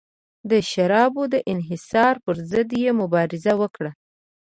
د شرابو د انحصار پرضد یې مبارزه وکړه.